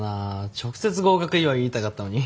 直接合格祝い言いたかったのに。